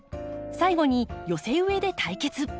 最後に寄せ植えで対決。